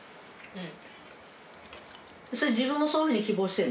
うん。